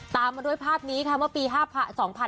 ตามมาด้วยภาพนี้ค่ะเมื่อปี๒๕๕๙